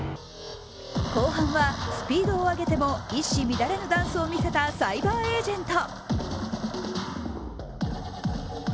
後半はスピードを上げても一糸乱れぬダンスを見せたＣｙｂｅｒＡｇｅｎｔ。